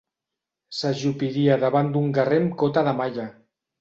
S'ajupiria davant d'un guerrer amb cota de malla.